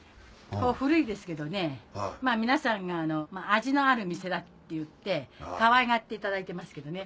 古いですけどね皆さんが味のある店だって言ってかわいがっていただいてますけどね。